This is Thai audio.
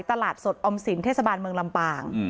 ตลาดสดออมสินเทศบาลเมืองลำปาง